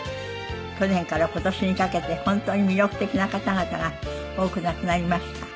去年から今年にかけて本当に魅力的な方々が多く亡くなりました。